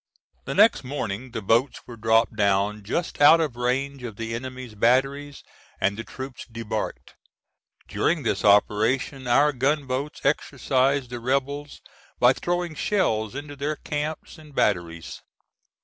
The next morning the boats were dropped down just out of range of the enemy's batteries and the troops debarked. During this operation our gun boats exercised the rebels by throwing shells into their camps and batteries.